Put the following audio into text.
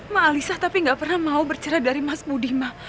ma alisa tapi gak pernah mau bercerai dari mas budi ma